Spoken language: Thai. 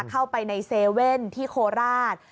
เข้าไปในเซเว่นที่โคราช